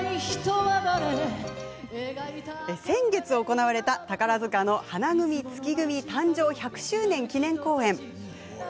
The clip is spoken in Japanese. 先月、行われた、宝塚の花組月組誕生１００周年記念公演。